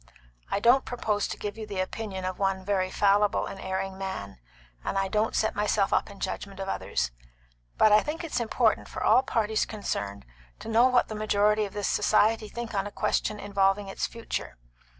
I don't propose to give you the opinion of one very fallible and erring man, and I don't set myself up in judgment of others; but I think it's important for all parties concerned to know what the majority of this society think on a question involving its future.